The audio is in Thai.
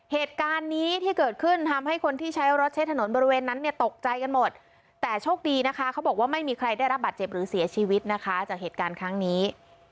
เหตุการณ์นี้ที่เกิดขึ้นทำให้คนที่ใช้รถใช้ถนนบริเวณนั้นเนี่ยตกใจกันหมดแต่โชคดีนะคะเขาบอกว่าไม่มีใครได้รับบาดเจ็บหรือเสียชีวิตนะคะจากเหตุการณ์ครั้งนี้